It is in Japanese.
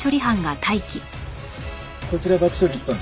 こちら爆処理一班。